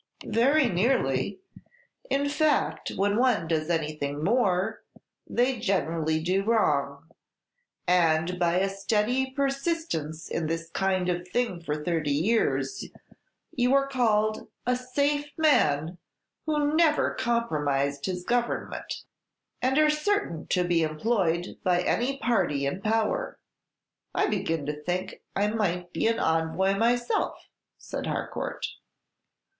"Very nearly. In fact, when one does anything more, they generally do wrong; and by a steady persistence in this kind of thing for thirty years, you are called 'a safe man, who never compromised his Government,' and are certain to be employed by any party in power." "I begin to think I might be an envoy myself," said Harcourt.